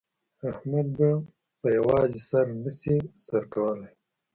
احمد په په یوازې سر نه شي سر کولای.